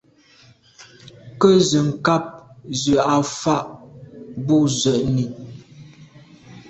Nkwé ze nkàb zə̄ à fâ’ bû zə̀’nì.